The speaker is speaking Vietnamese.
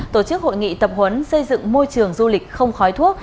tổ chức hội nghị tập huấn xây dựng môi trường du lịch không khói thuốc